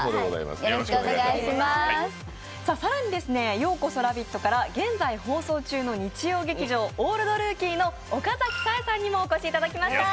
更に「＃ようこそラヴィット！」から現在放送中の日曜劇場「オールドルーキー」の岡崎紗絵さんにもお越しいただきました。